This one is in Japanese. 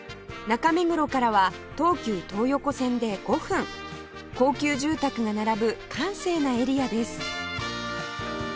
中目黒からは東急東横線で５分高級住宅が並ぶ閑静なエリアです